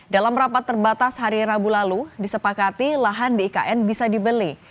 dalam rapat terbatas hari rabu lalu disepakati lahan di ikn bisa dibeli